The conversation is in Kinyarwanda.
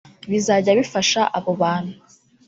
bizajya bifasha abo bantu